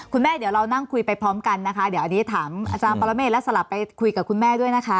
คุณแม่เดี๋ยวเรานั่งคุยไปพร้อมกันนะคะเดี๋ยวอันนี้ถามอาจารย์ปรเมฆและสลับไปคุยกับคุณแม่ด้วยนะคะ